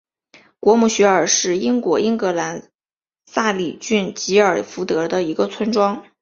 果姆雪尔是英国英格兰萨里郡吉尔福德的一个村庄。